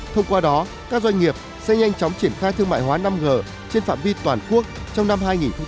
thông qua đó các doanh nghiệp sẽ nhanh chóng triển khai thương mại hóa năm g trên phạm vi toàn quốc trong năm hai nghìn hai mươi